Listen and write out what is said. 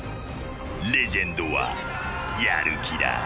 ［レジェンドはやる気だ］